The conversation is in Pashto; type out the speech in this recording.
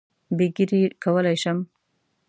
بې ږیرې کولای شم.